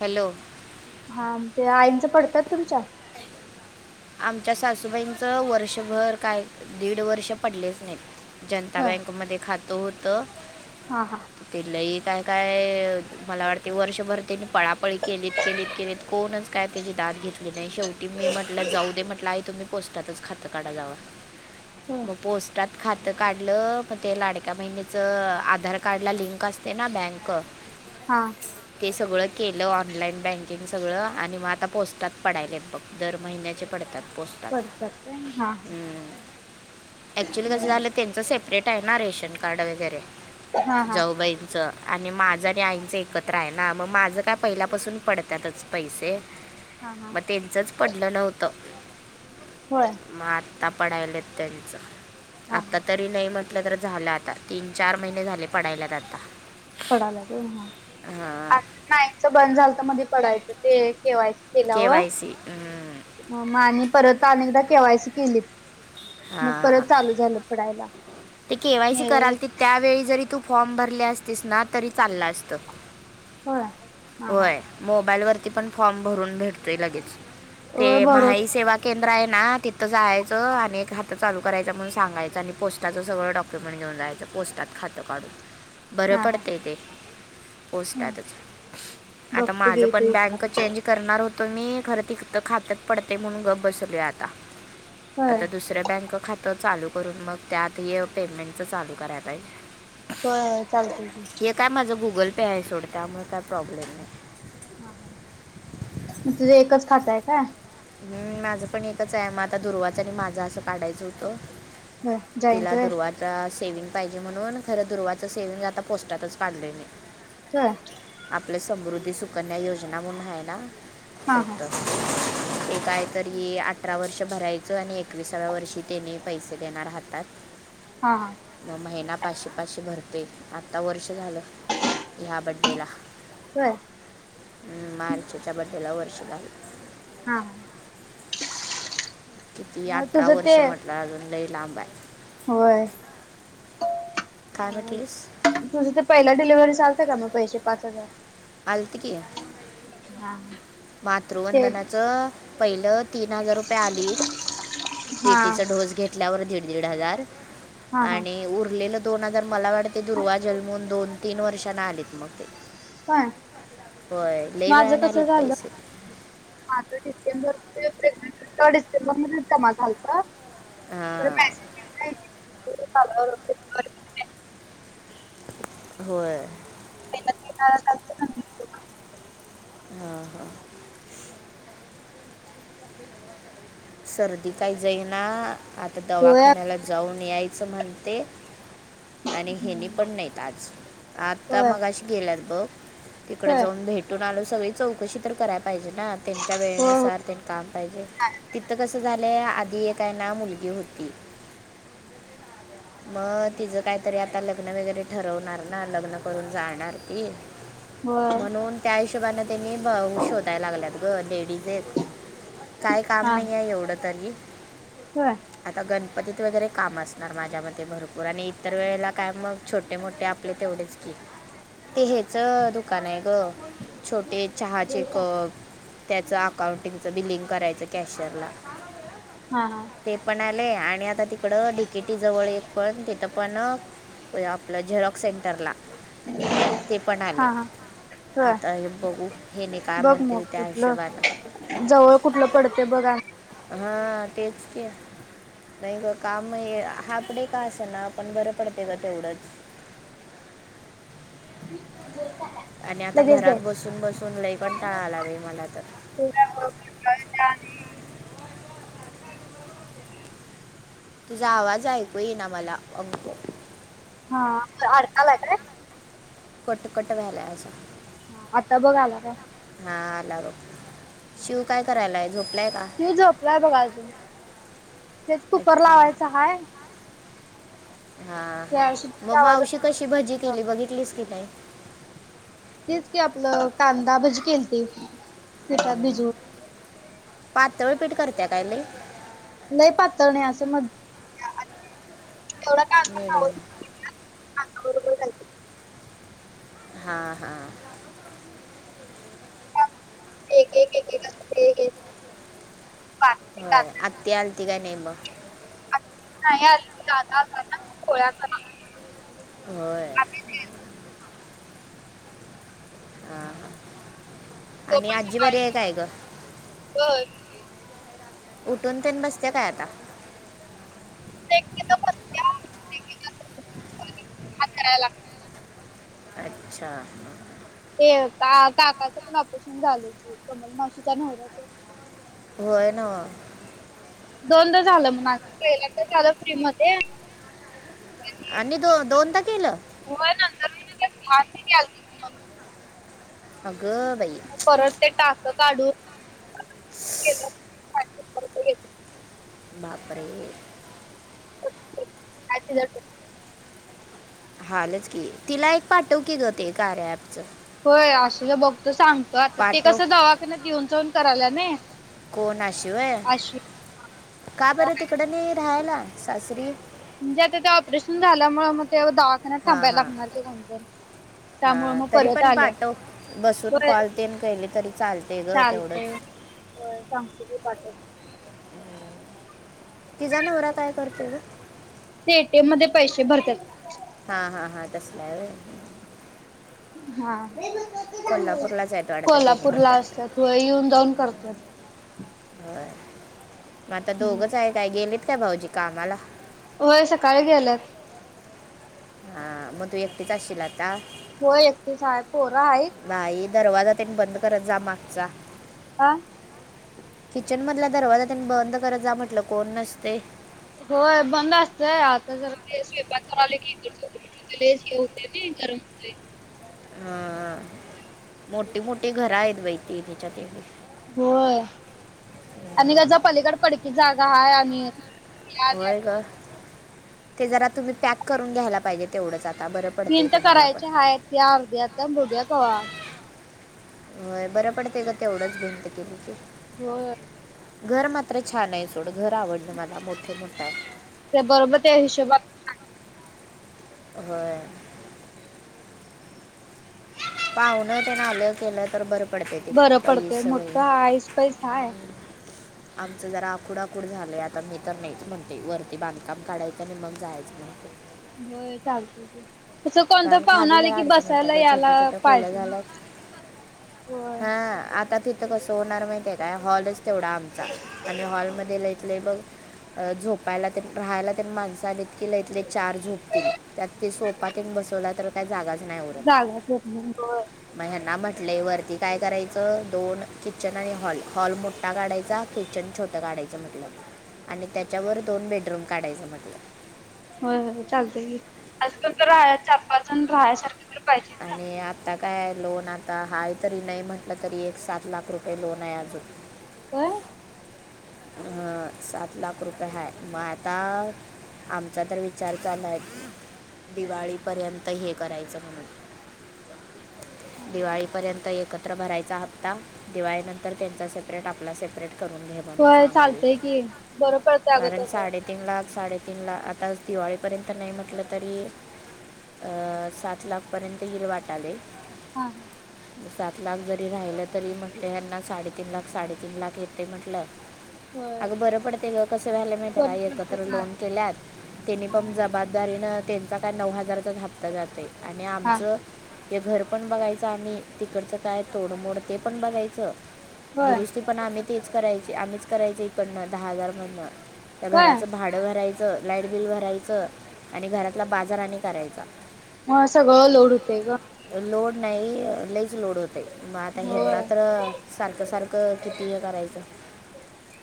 Hello हा ते inch पडतात तुमच्या आमच्या सासूबाईंचं वर्षभर काय दीड वर्ष पडलेस जनता होय. बँकमध्ये खातं होत हा हा. तलाही काय काय? मला वाटते वर्षभर त्यांनी पळापळी केलीत केलीत केलीत कोणच काय त्याची दाात घेतली नाही शेवटी मी आप जाऊ दे म्हटलं आहे तुम्ही पोस्टातच खातं काढा जा होय. मग पोस्टात खातं काढ मग त्या लाडक्या महिनच आधार कार्ड ला लिंक असते ना बँक हा. ते सगळ केलं ऑनलाईन बँकिंग सगळं आणि मग आता पोस्टात पडाय बघर. महिन्याचे पडतात पोसत पर कर हा ह. ऍक्च्युली कसं झालं त्यांचं सेपरेट आहे ना रेशन कार्ड वगैरे हा हा जाऊबाई आणि माझं आणि आईंचं एकत्र आहे ना मग माझं काय पहिल्यापासून पडतातच पैसे हा हा. मग त्यांचंच पडलं नव्हतं. होय. मग आत्ता पडायलात त्यांचं हा आता तरी नाही म्हटलं तर झालं आता तीन चार महिने झाले पडायलात आता पडायला हां नाच बंद झालं तर मध्ये पडायचं ते ठेवायचं के वय सी मग आणि परत अनेकदा केवायसी केलीत. मग हा परत चालू झालं पडायला. ते केवा्हायची हे कराल त त्यावेळी जरी तू फॉर्म भरले असतेस ना तरी चालला असत. होय हा हा होय मोबाईल वरती पण फॉर्म भरून भेटतोय लगेच होय ते बरोबर महाई सेवा केंद्र आहे ना तिथं जायचं आणि खातं चालू करायं म्हण सांगायच आणि पोस्टाच सगळं डॉक्युमेंट घेऊन जायचं पोस्टात खातं काढून बरं हा हा पडते ते ह पोस्टातच आता बघते माझं घे ते पण बँक विचारून चेंज करणार होतोय मी घर ति खातात पडते म्हणून गप बसवलोय आता आता ह. दुसरं बँक खातं चालू करून मग त्यात हे पेमेंटचं चालू करायला पाहिजे हो चालत. हे काय माझं गुगल पे आहे सोडत त्यामुळे काय प्रॉब्लेम नाही हा हा मग तुझे एकच खातय काय? हम् माझं पण एकच आहे मग आता दुर्वाच आणि माझा असं काढायचं होतं. होय जॉईंट तिला होय दुर्वाज सेव्हंग पाहिजे म्हणून खरं दुवाच सेव्हंग आता पोस्टातच पाडलय मी हा. आपलं समृद्धी सुकन्या योजना म्हणून आहे ना. हा हा ते काय तरी अठरा वर्ष भरायचं आणि एकविसाव्या वर्षी त्याने पैसे देणार हहातात. हा. मग महिना पाचशे पाचशे भरते आत्ता वर्ष झालं. ह्या बड्डे ला होय. हम्म मार्चच्या बड्डेला वर्ष झालं. हा. किती मग अठरा तुझं ते वर्षं म्हटलं अजून लई लांब आहे. होय अ. काय म्हटलीस तुझं ते पहिल्या डिलिव्हरी चे आलते काय मग पैसे पाच हजार आलते की हा हा. ते मातृवंदनाचं पहिलं. तीन हजार रुपये आली हा टीटीचा डोस घेतल्यावर दीड दीड हजार. हा हा आणि उरलेलं दोन हजार मला वाटते दुर्वा जन्मून दोन तीन वर्षांना आलेत मग ते पण होय ल बा ना ल हा तर डिसेंबर ते प्रें डिसेंबर मर्यंतमा झाालत. हां [inaudible] [inaudible] होय. [inaudible] हां हां. सर्दी काय जाई ना आता होय दवाखान्याला जाऊन यायचं म्हणते. आणि हेनी पण नाईत आज आता होय मगाशी गेल्यात बघ तिकडे होय जाऊन भेट तून आलो सगळी चौकशी तर कराय पाहिजे ना त्यांच्या हो वेळेनुसार तेन काम पाहिजे. तिथं कसं झालंय आधी एक हाय ना मुलगी होती. मग तिचं काहीतरी आता लग्न वगैरे ठरवणार ना लग्न करून जाणार ती व्हय. म्हणून त्या हिशोबाने त्यांनी ब शोधाय लागल्यात ग लेडीज एक. काय काम नाही आहे एवढं तरी व्हय. आता गणपतीत वगैरे काम असणार माझ्या मते भरपूर आणि इतर वेळेला काय मग छोटे मोठे आपले तेवढेच की ते हेच दुकान आहे गं. छोटे चहाचे कप. त्याचं अकाउंटिंगचं बिलिंक करायचं कॅशियरला. हा हा. ते पण आले आणि आता तिकड डिकेटी जवळ एक पण तिथं पण आपलं झेरॉक्स सेंटरला. ते पण आले. हा हा होय आता हे बघू हेनी काय बघ मग म्हणतील त्या कुठलं हिशोबानं जवळ कुठलं पडतंय बघा हा तेच कि नाही ग काम हे हापडे का असं ना आपण बरं पडते ग तेवढंच. [inaudible] आणि आता लगेच दे. घरात बसून बसून लई कंटाळा आलाय बाई मला तर तुझा आवाज ऐकू येईना मला अंकु हा अडकालाय काय. कट कट व्हायलाय असा. हा आता बघ आला काय. हा आला बघ शिव काय करायलाय झोपलाय का. त्यो झोपलाय बघा अजून तेच कुकर अच्छा लावायचा हाय. हा हा त्या मग शिट्टीच्या मावशी कशी भजी आवाजात केली बघितलीस की नाही. तेच की आपलं कांदा भजी केलती पिठात भिजऊन. पातळ पीठ करत्या काय लई. लई पातळ नही असं मध्य [inaudible] तेवढ का अस आर मिडियम [inaudible] हा हा. एक एक एक एक हो आत्ती आलती काय नाही मग. नाहीआली दादा अलता ना ख पोळ्याच [inaudible] [inaudible] ह तो आणि पण आजी बरी सकाळी आहे काय ग? उठून तेण बसते काय आता? [inaudible] [inaudible] अकराला. अच्छा. ते का काकाचं पण ऑपरेशन झालंय कि कमल मावशीच्या नवऱ्याचं होय नव्ह. दोनदा झालं म्हग पहिला तर झालं फ्री मध्ये. आणि दो दोनदा केलं. नंतर [inaudible] अगं बाई. परत ते टाक काढून बापरे. ह. हालच की. तिला एक पाठव की ग ते कार्य अँप च होय आशुला बघतो सांगतो आता. ते पाठव कसं दवाखाना देऊन जाऊन करायला न. कोणाशिवाय का बरं तिकड नाही राहायला सासरी? म्हणजे आता ते ऑपरेशन झाल्यामुळे मग ते दवाखान्यात थांबायला लागणार ते कोणत. हा तरी पण पाठव. बसून होय कॉलतेन केहिले तरी चालते ग तेवढंच. हो सांगत बी पाठ ति जा नवरा काय करतेय ग? ते एटीएम मध्ये पैसे भरतात. हा हा हा तसं हाय व्हय. हा कोल्हापूरलाच आहेत वाटतं त्यांनी कोल्हापूर पण ला काय असतात व येऊन जाऊन करतात. हो मग आता हम्म. दोघच आहे काय गेलेत काय भाऊजी कामाला? होय सकाळी गेलात. हा मग तू एकटीच असशील आता? हो एकटीच आहे पोरा आहे. भाई दरवाजा त्यांनी बंद करत जा मागचा. आं किचन मधला दरवाजा त्यांनी बंद करत जा म्हटलं कोण नसते- होय बंद असतय आता जरा ते स्वयंपाक तर आले की इकडं तिकडं [inaudible] होत गरम होतय. हा मोठी मोठी घर आहेत बाई तिच्या तेवढ होय आणि गझपालीकड पडकी जागा आहे आणि होय ग ते जरा तुम्ही पॅक करून घ्यायला पाहिजे. तेवढंच आता बरं पडतंय तुम्हाला पण. प्यार द्याता बड्या कवा. होय बरं पडतं ग तेवढंच भिंत केली त. हो. घर मात्र छान आहे सोड घर आवडलं मला मोठे मोठ आहे. त्या बरोबर त्या हिशोबा होय. पाहून ते आलं केलं तर बर. बरं पडतय मोठं आईस पैस हाय. आमचं जरा आकुडकूड झालंय आता मी तर नाहीच म्हणते वरती बांधकाम काढायचं आणि मग जायचं म्हणते. होय चालत त. तं कोणतं कारण पाहुून खाली आले लय की अडचण होत्या बसायला यायला पाहिजे. होय. हा, आता ती आता कसं होणार माहिते काय, हॉलच तेवढा आमचा, आणि हॉलमध्ये लईत लंई बघ अ झोपायलातेन राहायलातेन माणसान आले कि लइत लइत चार झोपतील, त्यात ते सोपा तेन बसवला तर, काय जागाच नाही हो. झागच- मग ह्यांना म्हटलेय वरती काय करायचं दोन किचन आणि हॉल हॉल मोठा काढायचा किचन छोटा. काढायचं म्हट आणि त्याच्यावर दोन बेडरूम काढायचं. म होय होय, चालतय की, आज फक्त राहाया चार पाच जण राहया सारखे, आणि आता आता काय, लोन आता, हाय तरी नाही म्हटलं तरी एक सात लाख रुपये लोन आहे अजून. व्हय. हा, सात लाख रुपये हाय, म आता आमचा तर विचार चालू हाय, दिवाळीपर्यंत हे करायचं म्हणून, दिवाळीपर्यंत एक एकत्र भरायचा हप्ता, दिवाळीनंतर त्यांचा सेपरेट, आपला सेपरेट करून घेवा, - होय चालतय की, बरं पडतंय अगं तसं. तीन लाख, साडेतीन लाख, आता दिवाळीपर्यंत नाही म्हटलं तरी, अ सात लाखपर्यंत येईल वाटाले. हा हा. सात लाख जरी राहिलं तरी म्हटल, यांना साडेतीन लाख, साडेतीन लाख, येते म्हटलंय. होय. अगं बरं पडते ग, कसं व्हायला माहिती का, बरं पडतंय एकत्र लोन चालेल केल्यात त्यानी पण हां जबाब दारीेणं त्यांचा काय नऊ हजारचांच हाप्ता जाते, आणि हां आमचं हे घर पण बघायचं, आणि तिकडचं काय तोडमोड, ते पण बघायचं. होय दुरुस्ती पण आम्ही तेच करायची, आम्हीच करायच इकडन दहा हजार महिना, त्या होय. घराचं भाड भरायचं, लाईट बिल भरायचं, आणि घरातला बाजार आणि करायचा. म संगळं लोढ होतय ग. लोड नाही लईच लोड होतय, मग आता ह्याना होय तर सारखं सारखं, किती हे करायचं.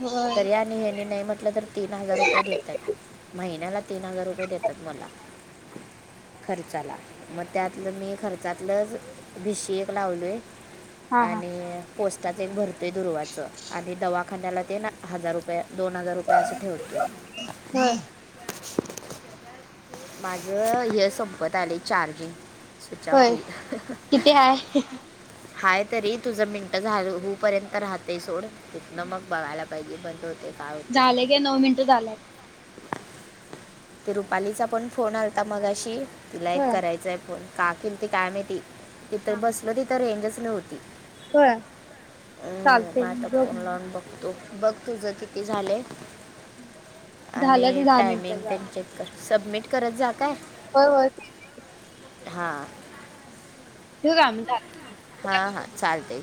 होय तर आणि हे नाही म्हटलं तर तीन हजार रुपये देतात महिन्याला. तीन हजार रुपये देतात मला, खर्चाला. म त्यातलं मी खर्चातलं, भीशी एक लावलोय. हां हां आणि पोस्टात एक भरतेय दुरुवाच, आणि दवाखान्याला ते ना, हजार रुपये, दोन हजार रुपये, असं ठेवते. ह. माझ हे संपत आलय, चार्जिंग. स्विच ऑफ होय होईल. किती हाय? हाय तरी, तुझं मिनट झाल हो पर्यंत राहते सोड, तीथन मग कळायला पाहिजे बंद होते काय होते. झाले गे नऊ मिनिटं झाल्यात. ते रुपालीचा पण फोन आता मगाशी, तिला एक होय. करायचांय फोन. काकीन ते काय महीती, हा तिथं हा बसल तिथं रेंजच नव्हती. होय अं, मग चालतय की आता दोन फोन मी लावून बघतो बघ तुझ किती झालंय, झालं आणि की दहा मिनिटं टायमिंग झालं. त्यांच्ये सबमिट करत जा काय? होय होय. हा. ठेवू का म झा [unintelligible] चालतय.